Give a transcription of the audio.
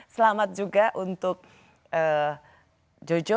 selamat juga untuk jojo